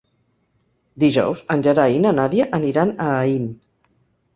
Dijous en Gerai i na Nàdia aniran a Aín.